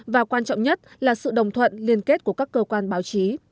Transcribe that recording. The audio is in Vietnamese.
và quan trọng nhất là sự đồng thuận liên kết của các cơ quan báo chí